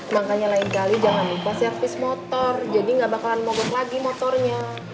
makanya lain kali jangan lupa servis motor jadi nggak bakalan mogok lagi motornya